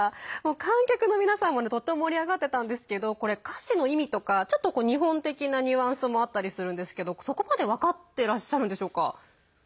観客の皆さんも、とっても盛り上がってたんですけどこれ、歌詞の意味とかちょっと日本的なニュアンスもあったりするんですけどそこまで分かってらっしゃるんでしょうか。